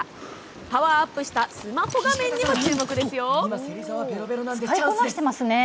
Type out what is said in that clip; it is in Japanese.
パワーアップしたスマホ画面にも注目ですよ。